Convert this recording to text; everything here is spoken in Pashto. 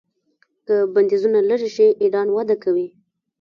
که بندیزونه لرې شي ایران وده کوي.